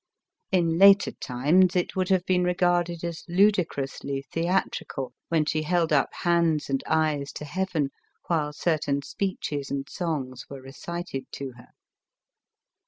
In later times it would have been re garded as ludicrously theatrical when she held up hands and eyes to heaven, while certain speeches and songs were recited to her.